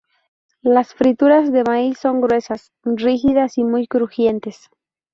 Las frituras de maíz son gruesas, rígidas y muy crujientes.